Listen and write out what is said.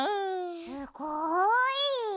すごい！